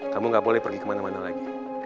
kamu gak boleh pergi kemana mana lagi